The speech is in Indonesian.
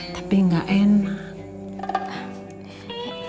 tapi gak enak